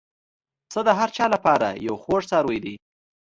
پسه د هر چا له پاره یو خوږ څاروی دی.